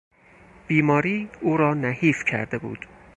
بیماری او را نحیف کرده بود.